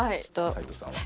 齊藤さんは？